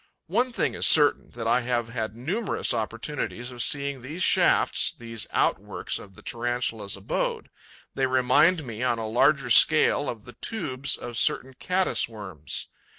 'One thing is certain, that I have had numerous opportunities of seeing these shafts, these out works of the Tarantula's abode; they remind me, on a larger scale, of the tubes of certain Caddis worms.